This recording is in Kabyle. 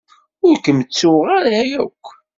Ur kem-ttuɣ ara akk.